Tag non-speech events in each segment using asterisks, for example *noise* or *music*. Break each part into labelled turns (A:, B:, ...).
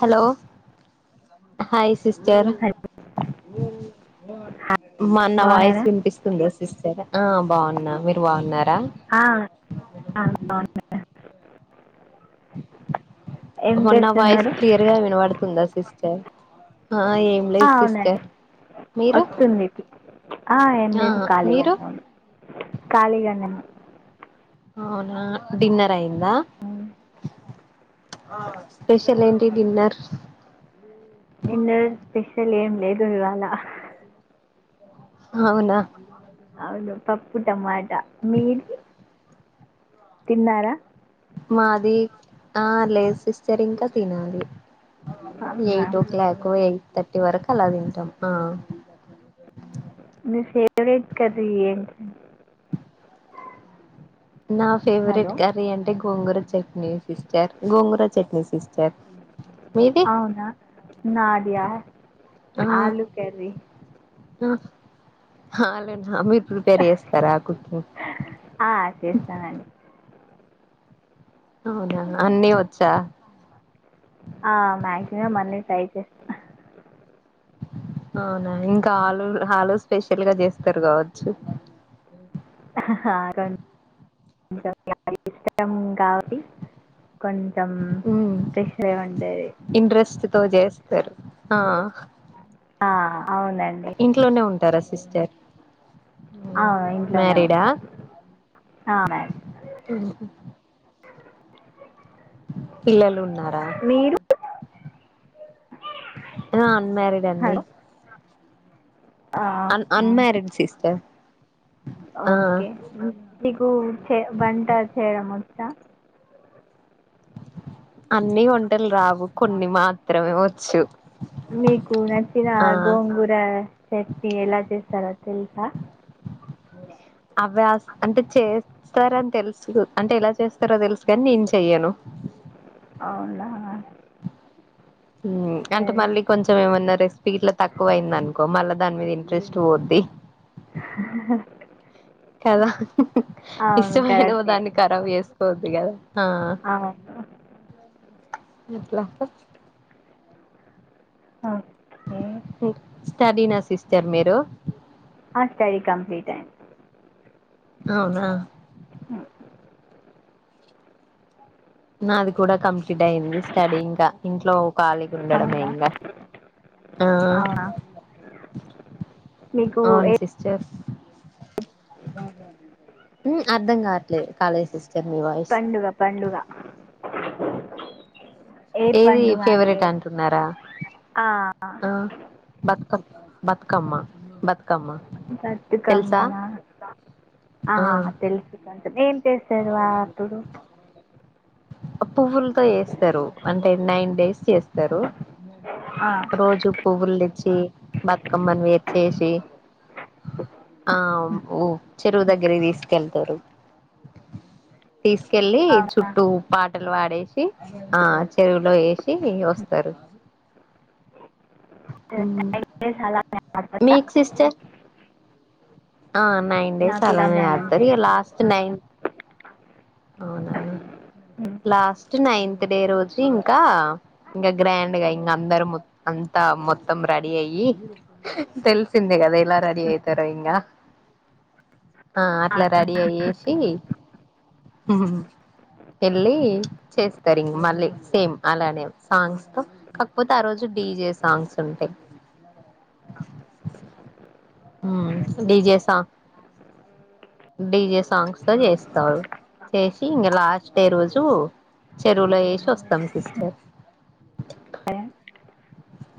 A: Hello hi sister మా నా
B: బాగున్నారా
A: వాయిస్ వినిపిస్తుంది స్తారా ఆ బాగున్నా మీరు బాగున్నారా
B: అవుగు
A: మన్న వాయిస్
B: చేస్తున్నారు
A: క్లియర్ గా వినబడుతుందా సిస్టర్ ఆ ఏం లేదు సిస్టర్
B: అవునండి
A: మీరు
B: వస్తుంది ఏం
A: ఆ
B: లేదు
A: మీరు
B: ఖాళీగానే అవును ఖాళీగానే
A: అవునా డిన్నర్ అయిందా
B: ఉమ్,
A: స్పెషల్ ఏంటి డిన్నర్
B: చిన్న స్పెషల్ ఏం లే తెగాల
A: అవునా
B: అవును పప్పు టమాటా మీది తిన్నారా
A: మాది ఆ లేజ్ సిస్టర్ ఇంకా తినాలి
B: అవునా
A: eight o'clock eight thirty వరకు అలా తింటాం ఆ
B: మీ ఫేవరెట్ క ఏ
A: నా ఫేవరెట్ కర్రీ అంటే గోంగుర చట్నీ సిస్టర్ గోంగుర చట్నీ సిస్టర్ మీది
B: అవునా నాడయార్ ఆలు కరి
A: అ అలనా అమి ప్రిపేర్ చేస్తారా కుకింగ్
B: ఆ, చేస్తానండి
A: అవునా అన్నీ వచ్చా
B: మ్యాక్సిమమ్ అన్నీ టై చేస్తా
A: అవునా ఇంకా ఆలు ఆలు స్పెషల్ గా చేస్తారు కావచ్చు
B: కొ కొెం ఇష్టం కాబట్టి కొంచెం
A: హ
B: స్పెషల్ ఉంటుంది
A: ఇంట్రెస్ట్ తో చేస్తారు ఆ
B: ఆ అవునండి
A: ఇంట్లోనే ఉంటంది టెరాసిస్టర్
B: అవు ఇంట్లోనే ఉంటాం మ్యాడం అ
A: ఉహు. పిల్లలు ఉన్న న్నారా
B: మీరు
A: అ మరిడ్ అండి
B: హలో ఆ,
A: అన్ అన్మరిడ్ సిస్టర్ ఆ
B: ఓకేకు వంట చేయడం *inaudible*
A: అన్నీ వంటలు రావు కొన్ని మాత్రమే వచ్చు
B: మీకు నచ్చిన
A: ఆ
B: గోంగూర చట్ని ఎలా చేస్తారు తెలుసార్
A: అవే అంటే చేస్తార అని తెలుసు అంటే ఎలా చేస్తారో తెలుసు కాని నేను చెయ్యను
B: అవునా
A: అంటే
B: సరే
A: మళ్ళీ కొంచెం ఏమన్నా రెసిపీ ఇట్లా తక్కువ అయింది అనుకో మళ్ళా దాని మీద ఇంట్రెస్ట్ పోద్ది
B: *inaudible*
A: కదా
B: అవును
A: ఇష్టమైనో
B: కరెక్టే
A: దాన్ని ఖరాబ్ వేసుకోద్ది కదా ఆ
B: అవును
A: ఎట్లా
B: ఆ ఆ
A: స్టడనా సిస్టర్ మీరు
B: ఆ స్టడీ కంప్లీట్ అయి
A: అవునా
B: అ
A: నాది కూడా కంప్లీట్ అయింది స్టడీ ఇంకా ఇంట్లో కఖాళీకి ఉండడంమే
B: అవునా
A: ఇంకా ఆ
B: అవునా మీకు ఏ
A: అవును సిస్టర్స్ అర్ధం కావట్లేదు కాలేజస్
B: పండుగ పండుగ *inaudible* ఏ
A: ఏది
B: పండుగ అంటే
A: ఫేవరెట్ అంటున్నారా
B: ఆ!
A: ఆ బకమ్ బతుకమ్మ బతుకమ్
B: చత్తు కమ్మనా ఆ తెలుసుంత ఏం చేశాడు వా అప్పుడు
A: పువ్వుల్తో చే. అంటే నైన్ డేస్ చేస్తారు. ఆ హా సి బతుకమ్మను వేర్ చేేసి తీసుకెళ్ళలి
B: అవునా
A: చుట్టూ పాటలు పాడేసి ఆ చెరువులో ఏశి వస్తారు.
B: *inaudible*
A: మీక్ సిస్టర్ ఆ నైన్ డేస్
B: నాకు
A: అలానే
B: రంజాన్ అంటే
A: ఆడతారు. ఇగా
B: ఇష్టం
A: లాస్ట్ నైన్త్ అవునాన
B: హ్మ్.
A: లాస్ట్ నైన్త్ డే రోజు ఇంకా.
B: అవునా?
A: అవును వెళ్ళి చేస్తారు ఇంగ్ మళ్ళీ. సేమ్ అలానే సాంగ్స్ తో కాకపోతే ఆ రోజు డీజే సాంగ్స్ ఉంటాయి. ఉమ్మ్ డీజే సాంగ్ డీజే సాంగ్స్ తో చేస్తారూ. చేసి ఇంగ లాస్ట్ డే రోజు చెరువులో వేసి వస్తాం. Sister
B: okay.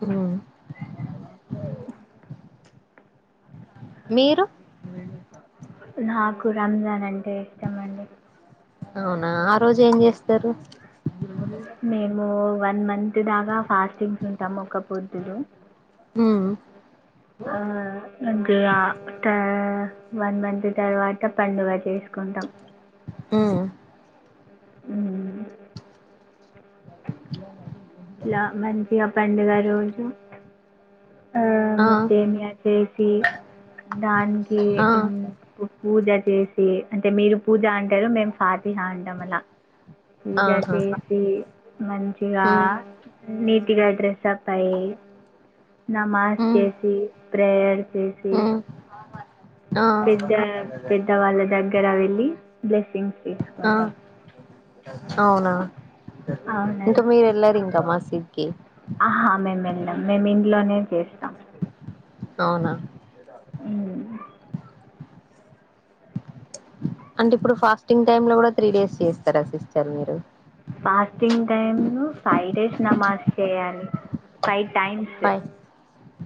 A: ఉమ్మ్ మీరు
B: నాకు రంజాన్ అండ్ చేస్తమండి.
A: అవునా ఆ రోజు ఏం జేస్తరు.
B: మేము వన్ మంత్ దాకా ఫాస్టింగ్స్ ఉం టము ఒకపొద్దులు
A: ఉమ్
B: ఆ అంటే ఆ కా వన్ మంత్ తర్వాత పండుగ చేసుకుంటాం.
A: ఉమ్మ్
B: ఇలా మంచిగా పండుగ రోజు ఆ సేమియా చేసి దానికి
A: ఆ
B: ఉం పూజ చేసి అంటే మీరు పూజ అంటారు. మేం ఫాతిహ అంటాం అలా పూజ
A: ఆహా
B: చేసి మంచిగా
A: ఉమ్
B: నీ ఇగ డ్రెస్ అప్ అయ్ నమాజ్
A: ఉమ్
B: చేసి ప్రేర్ చేసీ
A: ఉమ్ ఆ
B: పెద్ద పెద్ద వాళ్ళ దగ్గర్ గరా వెళ్ళి బ్లెస్సింగ్స్
A: ఆ
B: తీసుకుంటాం
A: అవునా ఇంకా
B: అవునండి
A: మీరు ఎల్లరింక మ సిక్కి
B: ఆహా మేము వెళ్ళం మేము ఇంట్లోనే చేస్తాం
A: అవునా
B: హ్మ్
A: అంటే ఇప్పుడు ఫాస్టింగ్ టైమ్ లో కూడా త్రీ డేస్ చేస్తారా సిస్టర్ మీరు
B: ఫాస్టింగ్ టైమ్ ను ఫైవ్ డేస్ నమాజ్ చేయాలి ఫైవ్ టైమ్స్
A: ఫైవ్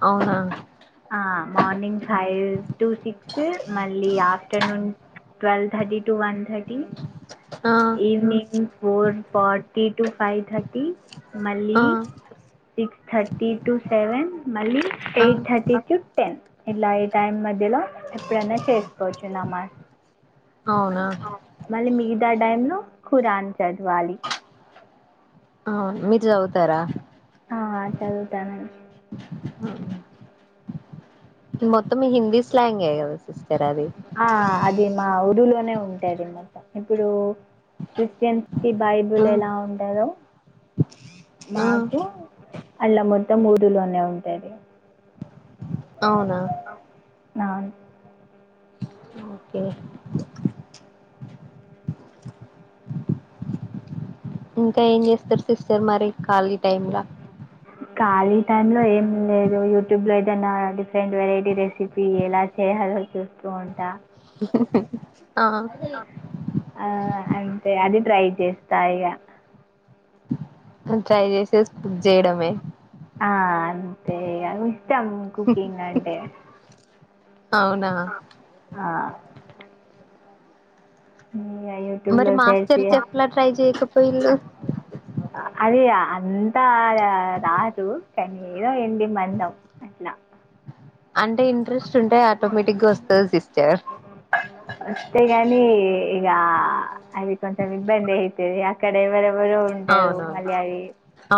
A: అవునా
B: ఆ మార్నింగ్ ఫైవ్ టూ సిక్స్ మళ్ళీ afternoon twelve thirty to one thirty
A: ఆ
B: evening four forty to five thirty మళ్ళీ
A: ఆ
B: సిక్స్ థర్టీ టు సెవెన్ మళ్ళీ
A: ఆ
B: ఎయిట్ థర్టీ టు టెన్ ఇలా ఈ టైం మధ్యలో ఎప్పుడైనా చేసుకోవచ్చు నమా
A: అవునా
B: తా డైమ్ లో ఖురాన్ చదవాలి
A: అవును మీరు చదువుతారా
B: ఆ చదువుతాను
A: ఆ మొత్తం హిందీ స్లాంగే కద సిస్
B: ఆ అదే మా ఉదులో నే ఉంటాది మొత్తం ఇప్పుడు క్రిస్టియన్ కి
A: ఆ
B: బైబుల్ ఎలా ఉంటాదో అ *inaudible*
A: ఆ
B: మాకు ఆళ్ళ మొత్తం ఊదులోనే ఉంటది.
A: అవునా
B: నాన్
A: ఓకే ఇంకా ఏం చేస్తారు సిస్టర్ మరి ఖాళీ టైమ్లా
B: ఖాళీ టైం లో ఏం లేదు యూట్యూబ్ లో ఏదైనా డిఫరెంట్ వెరైటీ రెసిపీ ఎలా చేయాలో చూస్తూ ఉంటా
A: *unintelligible* *inaudible*
B: అ ఆ అంతె అన్ని ట్రై చేస్తా ఇగా
A: ట్రై చేస్ తెలుసు కుక్ చేయడమే
B: త ఎవి ఇష్టం కుకింగ్ అంటే
A: అవునా
B: ఆ! మ్మ్
A: మరి మాస్టర్ చెఫ్ లా ట్రై చేయకపోయా పొయిల్లు
B: అది అంతా రాదు కానీ ఏదో ఇంటిమందం అట్లా
A: అంటే ఇంట్రెస్ట్ ఉంటాయి ఆటోమేటిక్గా వస్తది సిస్టర్
B: యా అది కొంత ఇబ్బంది అయితది ఆక్కడ ఎవర ఎవరూ ఉండరు
A: అవునవును
B: మళ్ళి అది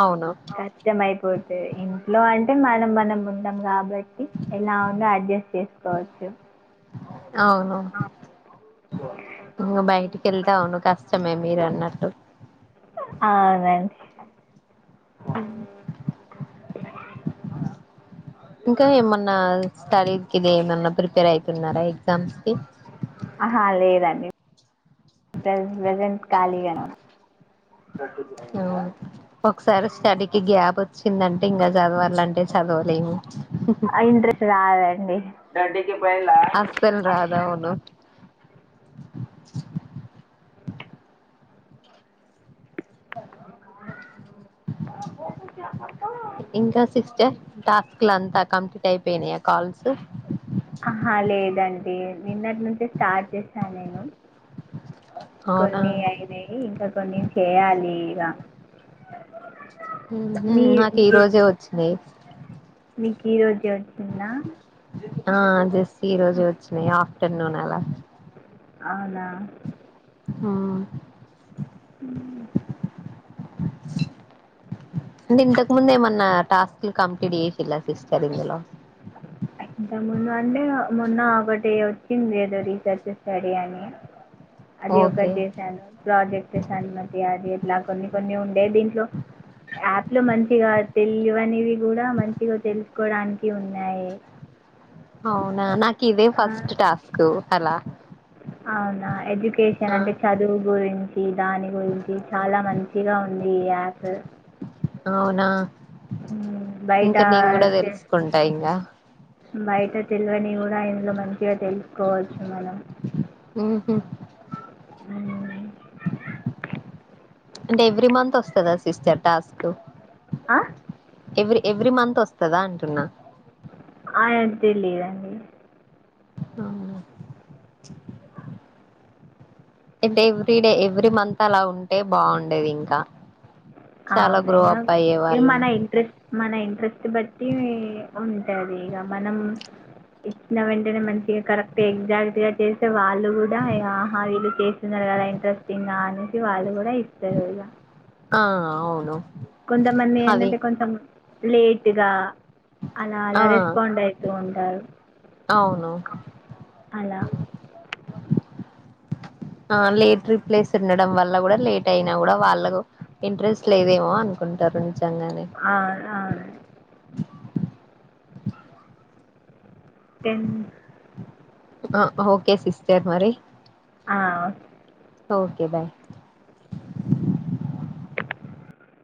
A: అవును
B: కష్టం అయిపోతది ఇంట్లో అంటే మనం మనం ఉంటాం కాబట్టి ఎలా ఉన్నాో అడ్జస్ట్ చేసుకోవచ్చు
A: అవును ఇంగ బయటికి వెళ్తా అవును కష్టమే మీరు అన్నట్టు
B: అవునండి
A: మ్మ్ ఇంకా ఏమన్నా స్టడీ కిది ఏమన్నా ప్రిపేర్ అయితున్నారా ఎగ్జామ్స్ కి
B: ఆహా లేదండి టెన్త్ లోన్ కాలీగానే ఉన్
A: మ్మ్ ఒకసారి స్టడీకిి గ్యాప్ వచ్చిందంటే ఇంకా చదవాలంటే చదవలేము
B: ఆ ఇంట్రెస్ట్ రాదండి డే క పై
A: అస్సల్ రాదు అవును ఇంకా సిక్స్టర్ టాస్క్ ల అంతా కంప్లీట్ అయిపోయినాయా కాల్స్
B: అహా! లేదండి. నిన్నటి నుంచే స్టార్ట్ చేశాను నేను
A: అవునా
B: కొన్ని అయినాయి ఇంకా కొన్ని చేయాలి ఇగ *unintelligible*
A: మ్మ్
B: మీ
A: మ్మ్ నాకు ఈ రోజే వచ్చింది
B: మీకీ వచ్ కి వచ్చిందా
A: ఆ అదే ఈ రోజు వచ్చినాయి ఆఫ్టర్నూన్ అలా
B: అవునా
A: ఆ
B: అ
A: ఇంతకు ముందు ఏమన్నా టాస్క్లు కంప్లీట్ చేసిలా సిస్టర్ ఇందులో
B: ఇంతముందు అంటే మొన్న ఒక ఒకటి వచ్చింది ఏదో రీసెర్చ్ స్టడీ అని అది
A: ఓకే
B: ఒకటి చేసాను ప్రాజెక్ట్సా అను మతి అది ఎట్లా కొన్ని కొన్ని ఉండే దీంట్లో యాప్లు మంచిగా తెలియవ అనేవి కూడా మంచిగా తెలుసు కోవడానికి ఉంది నాయి
A: అవునా నా కవ ఫస్ట్ టాస్క్ అలా
B: అవునా ఎడ్యుకేషన్
A: ఆ
B: అంటే చదువు గురించి దాని గురించి చాలా మంచిగా ఉంది ఈ యాప్
A: అవునా
B: హ్మ్. బయట
A: ఇంకా నేను కూడా
B: తె
A: తెలుసుకుంటా ఇంకా
B: బయట తెలివని కూడా ఇందులో మంచిగా తెలుసుకోవచ్చు మనం
A: ఉహ
B: అ
A: అంటే ఎవ్రీ మంత్ వస్తుందా సిస్టర్ టాస్క్
B: ఆ
A: ఎవ్రీ ఎవ్రీ మంత్ వస్తుందా అంటున్నా
B: ఆయ తెలియదండి
A: అవు *inaudible* అయింటతే ఎవ్రీ డే ఎవ్రీ మంత్ అలా ఉంటే బాగుండేది ఇంకా చాలా గ్రో
B: అవును
A: అప్ అయ్యే
B: ఏ
A: వాళ్ళం
B: మన ఇంట్రెస్ట్ మన ఇంట్రెస్ట్ బట్టి ఉంటుంది ఇక మనం ఇచ్చిన వెంటనే మంచిగా కరెక్ట్ ఎగ్జాక్ట్గా చేస్తే వాళ్ళు కూడా ఆహా వీళ్ళు చేస్తున్నారు కదా ఇంట్రెస్టింగ్ అనేసి వాళ్ళు కూడా అస్తేయా
A: ఆ అవును
B: కొంతమంది
A: అది
B: ఏంటంటే కొంచెం లేటుగా అలా
A: ఆ
B: అలా రెస్పాండ్ అవుతూ ఉంటారు
A: అవును
B: అలా
A: ఆ లేట్ రిప్లేస్ ఉండడం వల్ల కూడా లేట్ అయినా కూడా వాళ్ళకు ఇంట్రెస్ట్ లేదేమో కుంటారు
B: ఆ టన్
A: ఆ ఓకే సిస్టర్ మరి
B: ఆ
A: ఓకే బాయ్